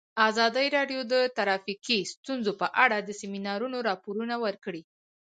ازادي راډیو د ټرافیکي ستونزې په اړه د سیمینارونو راپورونه ورکړي.